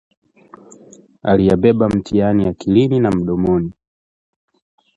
Aliyabeba mtihani, akilini na mdomoni